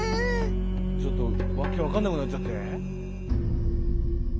ちょっと訳分かんなくなっちゃって？